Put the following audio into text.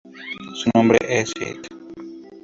Su nombre es Sid.